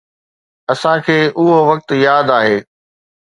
اسان کي اهو وقت ياد آهي.